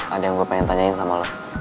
ada yang gue pengen tanyain sama lo